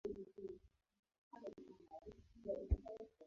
Sababu hizi zote ziliathiri kufahamishwa kwa wakazi wa